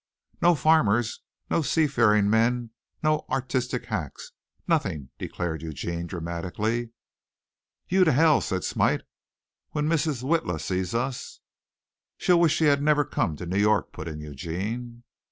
"No farmers, no sea faring men, no artistic hacks nothing!" declared Eugene dramatically. "You to Hell," said Smite. "When Mrs. Witla sees us " "She'll wish she'd never come to New York," put in Eugene.